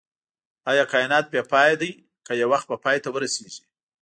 ايا کائنات بی پایه دی که يو وخت به پای ته ورسيږئ